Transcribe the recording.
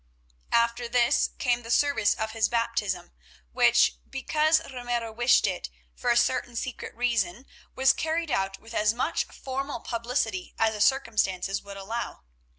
After this came the service of his baptism, which, because Ramiro wished it, for a certain secret reason, was carried out with as much formal publicity as the circumstances would allow.